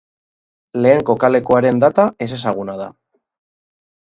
Lehen kokalekuaren data ezezaguna da.